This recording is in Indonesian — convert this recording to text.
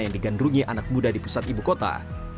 yang digandrungi anak muda di pusat ibu kota